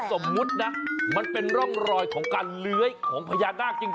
สมมุตินะมันเป็นร่องรอยของการเลื้อยของพญานาคจริง